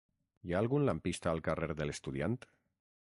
Hi ha algun lampista al carrer de l'Estudiant?